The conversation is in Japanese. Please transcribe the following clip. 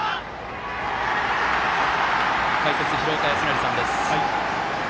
解説、廣岡資生さんです。